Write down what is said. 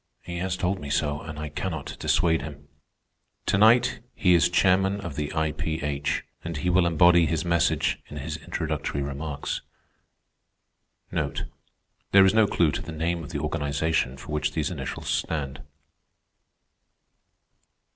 He has told me so, and I cannot dissuade him. To night he is chairman of the I.P.H., and he will embody his message in his introductory remarks. There is no clew to the name of the organization for which these initials stand.